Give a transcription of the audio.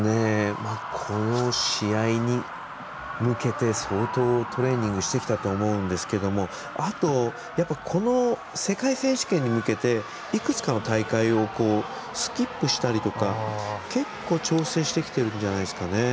この試合に向けて、相当トレーニングしてきたと思うんですけどもあと、この世界選手権に向けていくつかの大会をスキップしたりとか結構、調整してきてるんじゃないですかね。